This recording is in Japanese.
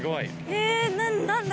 え何だ？